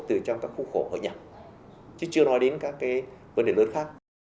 từ trong các khu khổ ở nhà chứ chưa nói đến các cái vấn đề lớn khác